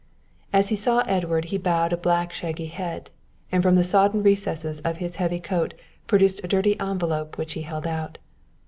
As he saw Edward he bowed a black shaggy head, and from the sodden recesses of his heavy coat produced a dirty envelope which he held out.